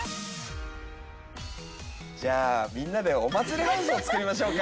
じゃあみんなでお祭りハウスを作りましょうか。